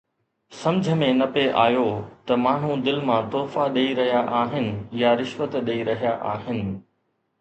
سمجهه ۾ نه پئي آيو ته ماڻهو دل مان تحفا ڏئي رهيا آهن يا رشوت ڏئي رهيا آهن